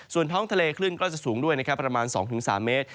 ส่วนท้องทะเลขึ้นก็จะสูงด้วยประมาณ๒๓เมตร